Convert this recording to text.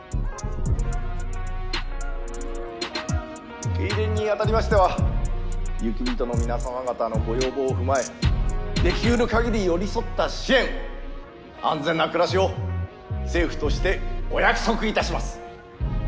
受け入れにあたりましては雪人の皆様方のご要望を踏まえできるかぎり寄り添った支援安全な暮らしを政府としてお約束いたします。